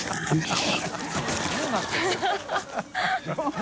何？